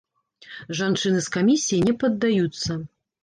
Жанчыны з камісіі не паддаюцца.